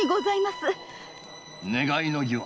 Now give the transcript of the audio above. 願いの儀は？